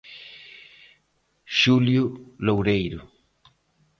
Xulio Loureiro.